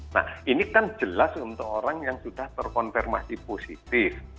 nah ini kan jelas untuk orang yang sudah terkonfirmasi positif